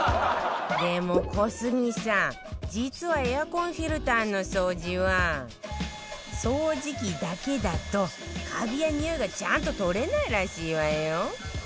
でも小杉さん実はエアコンフィルターの掃除は掃除機だけだとカビやにおいがちゃんと取れないらしいわよ